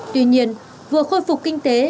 tuy nhiên vừa khôi phục kinh tế